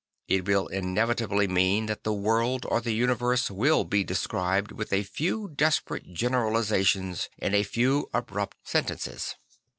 Y t will inevitably mean that the world or the universe \vill be described with a few desperate generalisations in a few abrupt sentences.